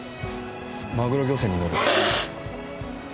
マグロ漁船に乗る。